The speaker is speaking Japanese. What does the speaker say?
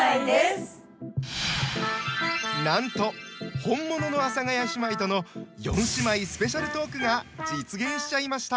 なんと本物の阿佐ヶ谷姉妹との四姉妹スペシャルトークが実現しちゃいました。